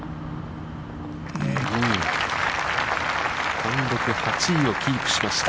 単独８位をキープしました。